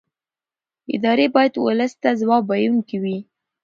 ادارې باید ولس ته ځواب ویونکې وي